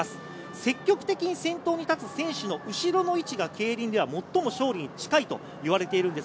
積極的に先頭に立つ選手の後ろの位置が競輪では最も勝利に近いと言われています。